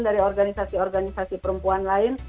dari organisasi organisasi perempuan lain